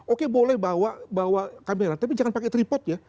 oke boleh bawa kamera tapi jangan pakai tripod ya